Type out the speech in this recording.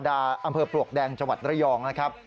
อำเภอปลวกแดงจังหวัดระยองนะครับ